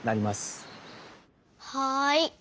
はい。